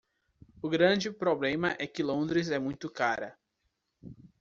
O grande problema é que Londres é muito cara.